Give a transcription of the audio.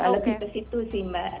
lebih ke situ sih mbak